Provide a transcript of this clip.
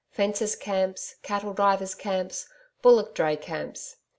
Fencers' camps, cattle drivers' camps, bullock dray camps.